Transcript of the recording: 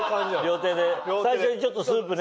料亭で最初にちょっとスープね。